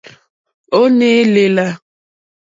Ó ǃné lèlà.